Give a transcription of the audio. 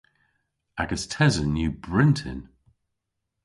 Agas tesen yw bryntin.